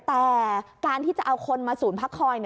แต่การที่จะเอาคนมาศูนย์พักคอย